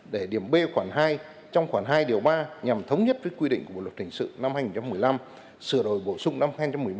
để điểm b khoảng hai trong khoảng hai điều ba nhằm thống nhất với quy định của bộ luật hình sự năm hai nghìn một mươi năm sửa đổi bổ sung năm hai nghìn một mươi bốn